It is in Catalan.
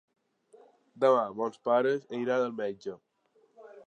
Demà mons pares iran al metge.